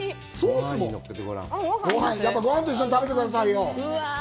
ごはんと一緒に食べてくださいよ。